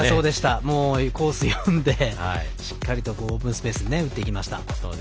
もうコース読んでしっかりオープンスペースに打っていきました。